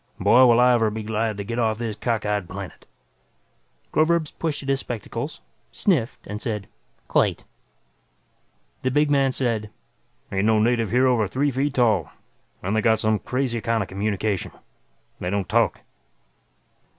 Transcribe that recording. "Boy, will I ever be glad to get off this cockeyed planet." Groverzb pushed at his spectacles, sniffed, and said, "Quite." The big man said, "Ain't no native here over three feet tall. And they got some crazy kind of communication. They don't talk."